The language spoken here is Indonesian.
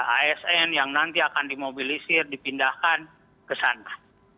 asn yang nanti akan dimobilisir dipindahkan ke sana